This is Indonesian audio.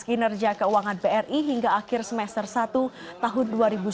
kinerja keuangan bri hingga akhir semester satu tahun dua ribu sembilan belas